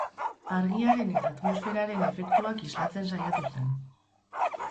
Argiaren eta atmosferaren efektuak islatzen saiatu zen.